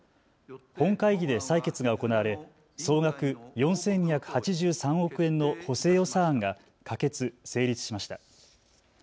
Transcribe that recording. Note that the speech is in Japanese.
本会議で採決が行われ総額４２８３億円の補正予算案が可決・成立しました。